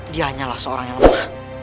dianyalah seorang yang lemah